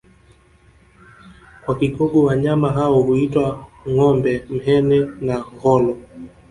Kwa Kigogo wanyama hao huitwa ngombe mhene na ngholo